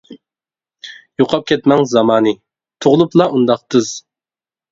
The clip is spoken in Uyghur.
يوقاپ كەتمەڭ زامانى، تۇغۇلۇپلا ئۇنداق تىز.